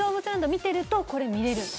見てると、これが見れる。